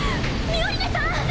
ミオリネさん！